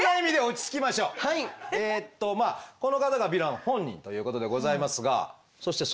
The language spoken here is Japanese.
とにかくこの方がヴィラン本人ということでございますが。